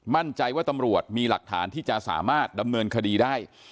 มั่นใจว่าตำรวจมีหลักฐานที่จะสามารถดำเนินคดีได้